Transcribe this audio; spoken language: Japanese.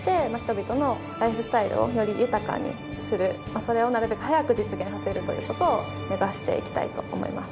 それをなるべく早く実現させるという事を目指していきたいと思います。